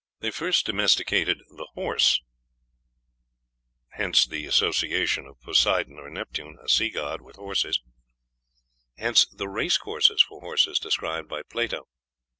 They first domesticated the horse, hence the association of Poseidon or Neptune, a sea god, with horses; hence the race courses for horses described by Plato.